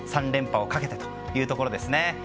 ３連覇をかけてというところです。